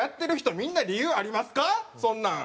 そんなん。